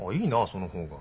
その方が。